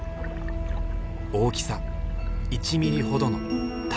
大きさ１ミリほどの卵。